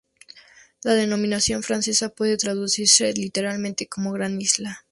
La denominación francesa puede traducirse, literalmente, como Gran Isla.